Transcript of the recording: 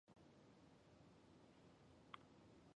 自家经营碾米厂